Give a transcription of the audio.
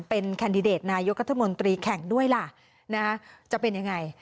เป็นแคนดิเดตนายกรัฐมนตรีแข่งด้วยล่ะจะเป็นยังไง